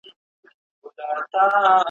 په خپل عقل او په پوهه دنیادار یې `